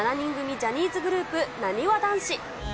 ジャニーズグループ、なにわ男子。